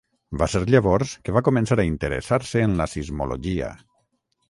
Va ser llavors que va començar a interessar-se en la sismologia.